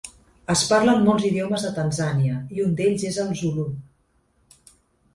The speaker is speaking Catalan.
Es parlen molts idiomes a Tanzània, i un d'ells és el zulu.